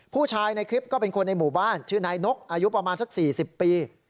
ผู้ชายในคลิปก็เป็นคนในหมู่บ้านชื่อนายนกอายุประมาณสัก๔๐ปี